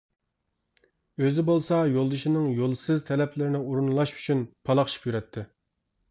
ئۆزى بولسا يولدىشىنىڭ يولسىز تەلەپلىرىنى ئورۇنلاش ئۈچۈن پالاقشىپ يۈرەتتى.